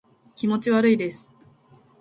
気持ち悪いです